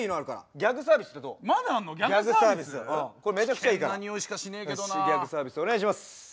ギャグサービスお願いします。